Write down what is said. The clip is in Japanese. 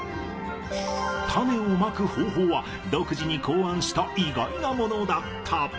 種をまく方法は独自に考案した意外なものだった。